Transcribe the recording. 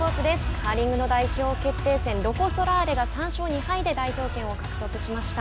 カーリングの代表決定戦ロコ・ソラーレが３勝２敗で代表権を獲得しました。